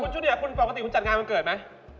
คุณชุดเดียปกติคุณจัดงานวันเกิดไหม